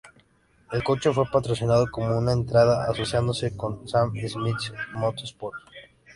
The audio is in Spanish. El coche fue patrocinado como una entrada asociándose con Sam Schmidt Motorsports.